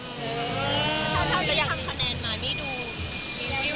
ถ้าเธอจะได้พังคะแนนมานี่ดู